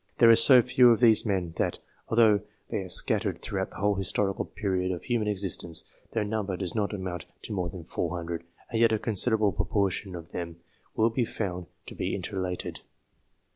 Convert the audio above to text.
There are so few of these men that, although they are scattered throughout the whole historical period of human existence, their number does not amount to more than 400, and yet a considerable proportion of them will be found to be interrelated.